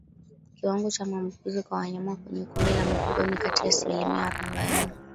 Kiwango cha maambukizi kwa wanyama kwenye kundi la mifugo ni kati ya asilimi arobaini